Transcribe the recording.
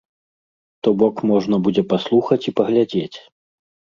То бок, можна будзе паслухаць і паглядзець.